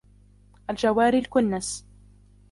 الْجَوَارِ الْكُنَّسِ